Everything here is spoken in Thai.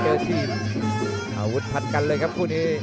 จริงระวุฒ์พัดกันเลยครับครู่นี้